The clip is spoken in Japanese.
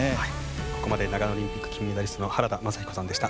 ここまで長野オリンピック金メダリストの原田雅彦さんでした。